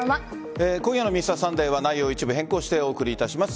今夜の「Ｍｒ．サンデー」は内容を一部変更してお送りいたします。